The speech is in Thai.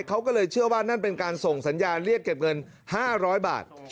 เขาก็เลยเชื่อว่านั่นเป็นการส่งสัญญาณเรียกเก็บเงิน๕๐๐บาท